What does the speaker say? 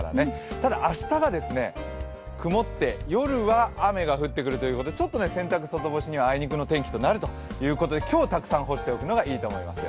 ただ明日は曇って夜は雨が降ってくるということでちょっと洗濯外干しにはあいにくの天気となるので今日、たくさん干しておくのがいいと思いますよ。